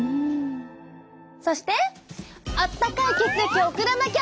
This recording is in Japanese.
そしてあったかい血液を送らなきゃ！